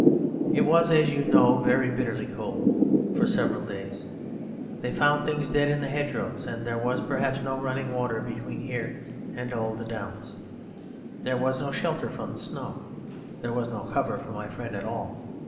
"It was, as you know, very bitterly cold for several days. They found things dead in the hedgerows, and there was perhaps no running water between here and the Downs. There was no shelter from the snow. There was no cover for my friend at all.